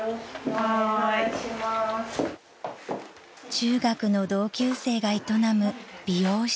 ［中学の同級生が営む美容室］